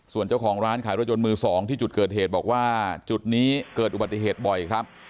ส่วนเจ้าของร้านขายรถยนต์มือสองที่จุดเกิดเหตุบอกว่าจุดนี้เกิดอุบัติเหตุบ่อยครับ